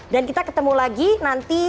dan kita ketemu lagi nanti